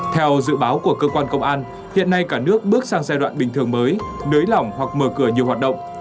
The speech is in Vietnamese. theo dự báo của cơ quan công an hiện nay cả nước bước sang giai đoạn bình thường mới nới lỏng hoặc mở cửa nhiều hoạt động